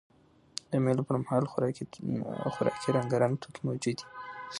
د مېلو پر مهال خوراکي رنګارنګ توکي موجود يي.